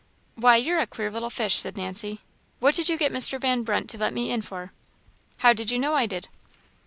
"Why, you're a queer little fish," said Nancy. "What did you get Mr. Van Brunt to let me in for?" "How did you know I did?"